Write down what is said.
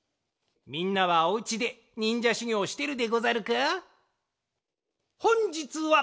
みんなはおうちでにんじゃしゅぎょうしてるでござるか？